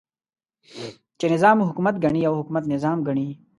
چې نظام حکومت ګڼي او حکومت نظام ګڼي.